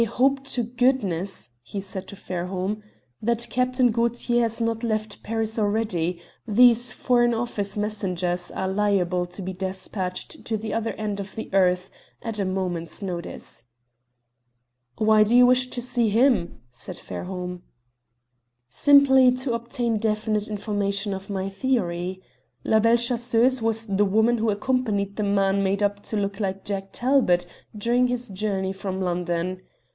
"I hope to goodness," he said to Fairholme, "that Captain Gaultier has not left Paris already; these Foreign Office messengers are liable to be despatched to the other end of the earth at a moment's notice." "Why do you wish to see him?" said Fairholme. "Simply to obtain definite confirmation of my theory. La Belle Chasseuse was the woman who accompanied the man made up to look like Jack Talbot during his journey from London.